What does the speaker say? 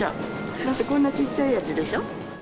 だってこんなちっちゃいやつでしょう。